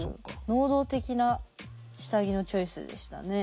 能動的な下着のチョイスでしたね。